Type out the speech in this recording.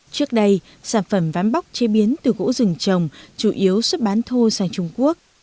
trước đây sản phẩm ván bóc chế biến từ gỗ rừng trồng chủ yếu xuất bán thô sang trung quốc